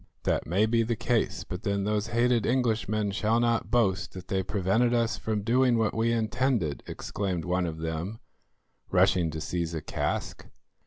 "That may be the case, but then those hated Englishmen shall not boast that they prevented us from doing what we intended," exclaimed one of them, rushing to seize a cask.